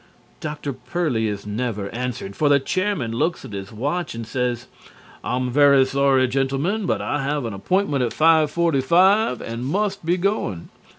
Dr. Pearly is never answered, for the Chairman looks at his watch and says: "I'm very sorry, gentlemen, but I have an appointment at 5:45 and must be going.